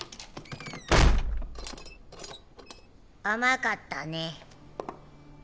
甘かったね。